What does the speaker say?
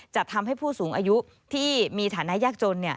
จะทำให้ผู้สูงอายุที่มีฐานะยากจน